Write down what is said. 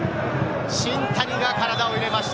新谷が体を入れました。